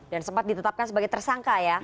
dan sempat ditetapkan sebagai tersangka ya